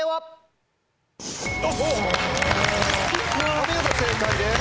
お見事正解です。